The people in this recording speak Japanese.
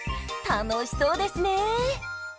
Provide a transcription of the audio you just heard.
楽しそうですね！